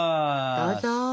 どうぞ！